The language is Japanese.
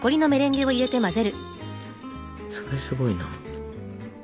それはすごいな。